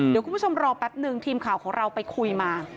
เดี๋ยวคุณผู้ชมรอแป๊บนึงทีมข่าวของเราไปคุยมา